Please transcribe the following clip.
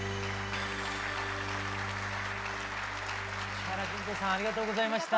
石原詢子さんありがとうございました。